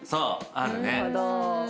あるね。